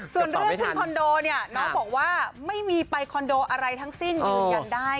ส่วนเรื่องขึ้นคอนโดเนี่ยน้องบอกว่าไม่มีไปคอนโดอะไรทั้งสิ้นยืนยันได้